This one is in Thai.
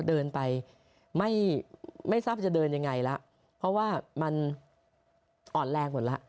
เดินไปไม่ทราบจะเดินยังไงแล้วเพราะว่ามันอ่อนแรงหมดแล้ว